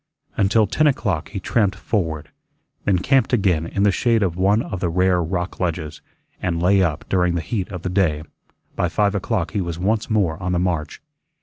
Until ten o'clock he tramped forward, then camped again in the shade of one of the rare rock ledges, and "lay up" during the heat of the day. By five o'clock he was once more on the march.